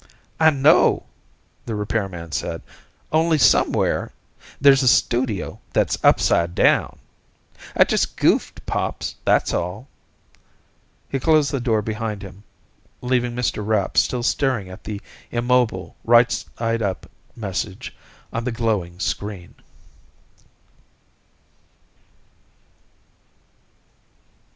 "I know," the repairman said. "Only somewhere ... there's a studio that's upside down. I just goofed, Pops, that's all." He closed the door behind him, leaving Mr. Rapp still staring at the immobile, right side up message on the glowing screen.